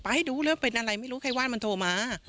ไปให้ดูเรื่องว่าเป็นอะไรไม่รู้ใครว่ามันโทรมา